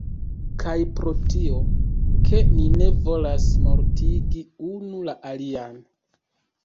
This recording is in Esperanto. Kaj pro tio, ke ni ne volas mortigi unu la alian